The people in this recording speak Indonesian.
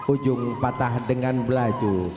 ujung patah dengan belaju